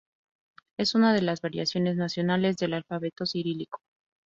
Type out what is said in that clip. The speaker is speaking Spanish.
Es una de las variaciones nacionales del Alfabeto Cirílico.